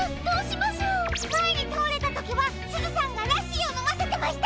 まえにたおれたときはすずさんがラッシーをのませてました。